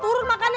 turun makan ya